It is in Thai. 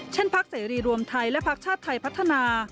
พักเสรีรวมไทยและพักชาติไทยพัฒนา